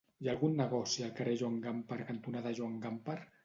Hi ha algun negoci al carrer Joan Gamper cantonada Joan Gamper?